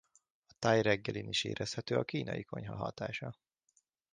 A thai reggelin is érezhető a kínai konyha hatása.